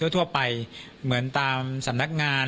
ทั่วไปเหมือนตามสำนักงาน